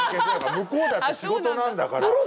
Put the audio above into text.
向こうだって仕事なんだから。